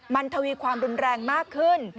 มันทวีความรุนแรงมากขึ้น